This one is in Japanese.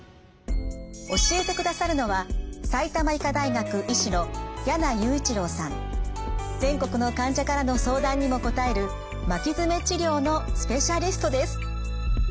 教えてくださるのは全国の患者からの相談にも答える巻き爪治療のスペシャリストです。